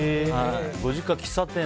ご実家、喫茶店。